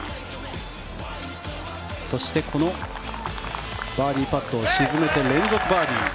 そしてこのバーディーパットを沈めて連続バーディー。